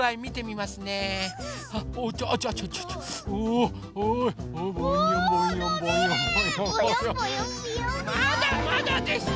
まだまだでした。